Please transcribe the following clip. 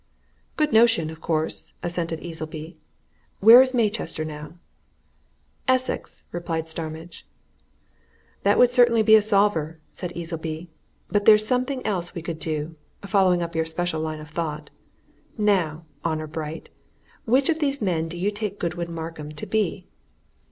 "Good notion, of course," assented Easleby. "Where is Maychester, now?" "Essex," replied Starmidge. "That would certainly be a solver," said Easleby. "But there's something else we could do, following up your special line of thought. Now, honour bright, which of these men do you take Godwin Markham to be?"